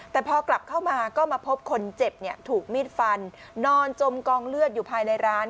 แต่พอกลับเข้ามาก็มาพบคนเจ็บถูกมีดฟันนอนจมกองเลือดอยู่ภายในร้าน